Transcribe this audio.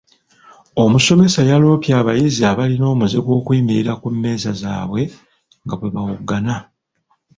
Omusomesa yaloopye abayizi abalina omuze gw'okuyimirira ku mmeeza zaabwe nga bwe bawoggana.